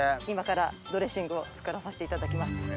今からドレッシングを作らさせていただきます。